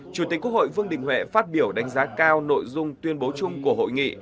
chủ tịch quốc hội vương đình huệ phát biểu đánh giá cao nội dung tuyên bố chung của hội nghị